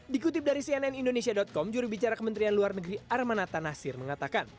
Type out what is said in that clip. dikutip dari cnn indonesia com jurubicara kementerian luar negeri armanata nasir mengatakan